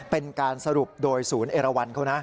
เป็นการสรุปโดยศูนย์เอราวันเขานะ